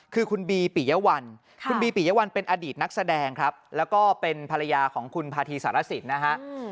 คือคุณบีปิยวัลคุณบีปิยวัลเป็นอดีตนักแสดงครับแล้วก็เป็นภรรยาของคุณพาธีสารสินนะฮะ